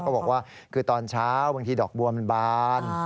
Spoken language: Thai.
บอกว่าคือตอนเช้าบางทีดอกบัวมันบาน